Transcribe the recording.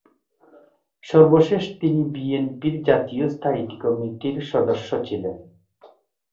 সর্বশেষে তিনি বিএনপির জাতীয় স্থায়ী কমিটির সদস্য ছিলেন।